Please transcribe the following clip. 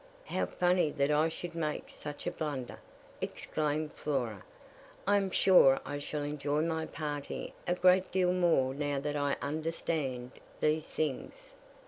"How funny that I should make such a blunder!" exclaimed Flora. "I am sure I shall enjoy my party a great deal more now that I understand these things."